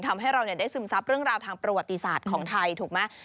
ทำให้เราได้ซึมซับเรื่องราวทางประวัติศาสตร์ของไทยถูกไหม